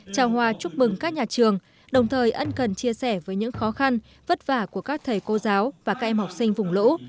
chào hòa chúc mừng các nhà trường đồng thời ân cần chia sẻ với những khó khăn vất vả của các thầy cô giáo và các em học sinh vùng lũ